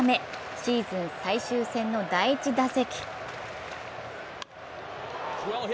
シーズン最終戦の第１打席。